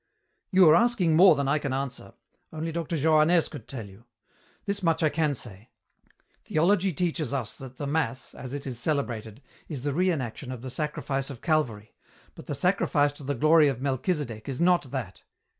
"You are asking more than I can answer. Only Dr. Johannès could tell you. This much I can say. Theology teaches us that the mass, as it is celebrated, is the re enaction of the Sacrifice of Calvary, but the sacrifice to the glory of Melchisedek is not that.